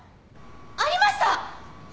ありました！